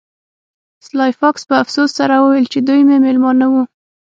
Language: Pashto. سلای فاکس په افسوس سره وویل چې دوی مې میلمانه وو